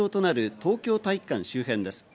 東京体育館周辺です。